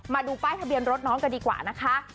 มาดูป้ายทะเบียนรถน้องกันดีกว่านะคะ